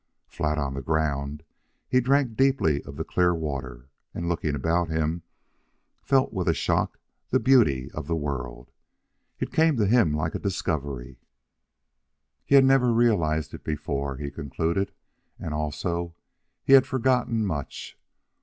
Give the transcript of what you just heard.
Flat on the ground, he drank deeply of the clear water, and, looking about him, felt with a shock the beauty of the world. It came to him like a discovery; he had never realized it before, he concluded, and also, he had forgotten much.